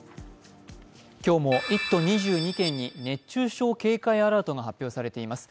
今日も１都２２県に熱中症警戒アラートが発表されています。